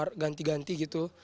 terus mana kondisi kamarnya